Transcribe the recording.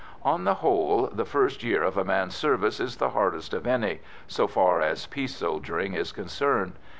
On the whole the first year of a man's service is the hardest of any, so far as peace soldiering is concerned.